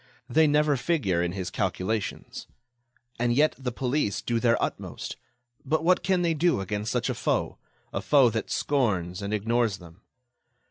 They never figure in his calculations. And yet the police do their utmost. But what can they do against such a foe—a foe that scorns and ignores them?